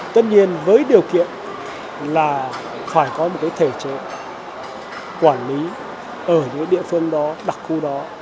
tất nhiên với điều kiện là phải có một cái thể chế quản lý ở những địa phương đó đặc khu đó